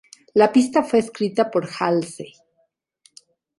La pista fue escrita por Halsey.